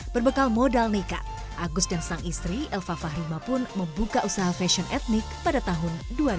berbekal modal nekat agus dan sang istri elva fahrima pun membuka usaha fashion etnik pada tahun dua ribu dua